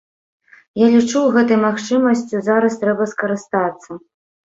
Я лічу, гэтай магчымасцю зараз трэба скарыстацца.